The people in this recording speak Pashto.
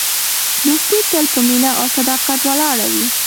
دوستي تل په مینه او صداقت ولاړه وي.